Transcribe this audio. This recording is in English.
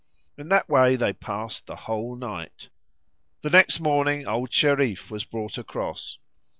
In that way they passed the whole night. The next morning old Shereef was brought across.